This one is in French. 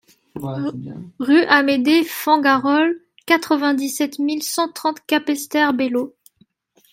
Rue Amédée Fengarol, quatre-vingt-dix-sept mille cent trente Capesterre-Belle-Eau